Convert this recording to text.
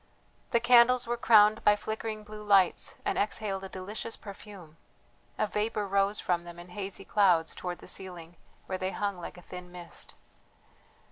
The candles were crowned by flickering blue lights and exhaled a delicious perfume; a vapour rose from them in hazy clouds towards the ceiling, where they hung like a thin mist.